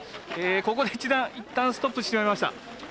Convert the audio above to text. ここでいったんストップしてしまいました。